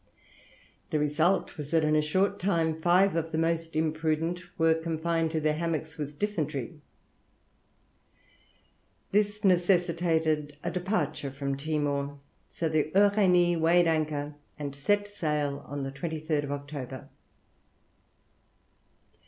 The result was that in a short time five of the most imprudent were confined to their hammocks with dysentery. This necessitated a departure from Timor; so the Uranie weighed anchor and set sail on the 23rd October.